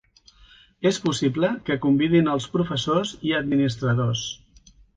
És possible que convidin els professors i administradors.